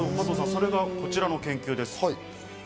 それがこちらの研究です。